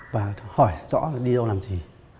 và hỏi rõ là đi đâu làm gì